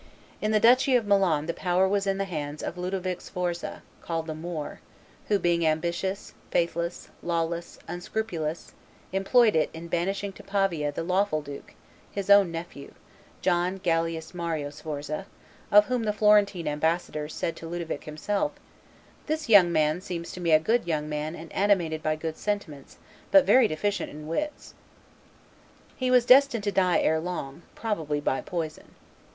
In the duchy of Milan the power was in the hands of Ludovic Sforza, called the Moor, who, being ambitious, faithless, lawless, unscrupulous, employed it in banishing to Pavia the lawful duke, his own nephew, John Galeas Mario Sforza, of whom the Florentine ambassador said to Ludovic himself, "This young man seems to me a good young man and animated by good sentiments, but very deficient in wits." He was destined to die ere long, probably by poison.